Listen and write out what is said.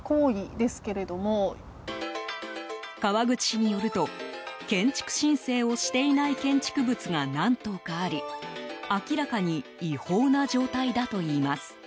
川口市によると建築申請をしていない建築物が何棟かあり明らかに違法な状態だといいます。